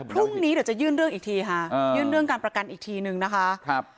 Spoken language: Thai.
พรุ่งนี้เดี๋ยวจะยื่นเรื่องอีกทีค่ะยื่นเรื่องการประกันอีกทีนึงนะคะครับ